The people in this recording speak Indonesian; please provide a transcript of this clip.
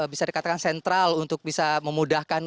bisa dikatakan sentral untuk bisa memudahkan